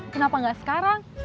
kenapa gak sekarang